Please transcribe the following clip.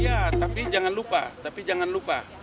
iya tapi jangan lupa tapi jangan lupa